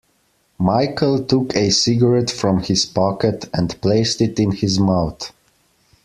Michael took a cigarette from his pocket and placed it in his mouth.